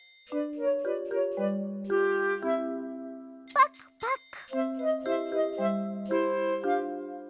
パクパク。